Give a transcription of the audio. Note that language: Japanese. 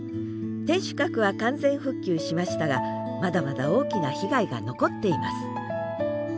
天守閣は完全復旧しましたがまだまだ大きな被害が残っています。